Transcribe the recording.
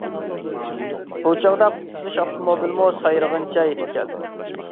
بۇ چاغدا قۇتقۇزۇش ئاپتوموبىلىمۇ سايرىغىنىچە يېتىپ كەلدى.